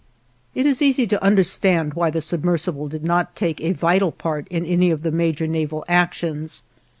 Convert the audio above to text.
It is easy to understand why the submersible did not take a vital part in any of the major naval actions.